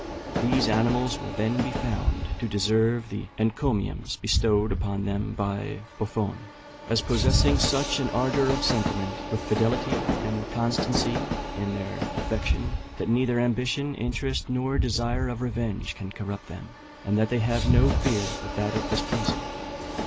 These animals will then be found to deserve the encomiums bestowed upon them by Buffon, "as possessing such an ardour of sentiment, with fidelity and constancy in their affection, that neither ambition, interest, nor desire of revenge, can corrupt them, and that they have no fear but that of displeasing.